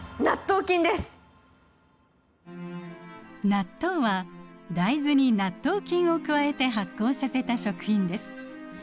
納豆は大豆に納豆菌を加えて発酵させた食品です。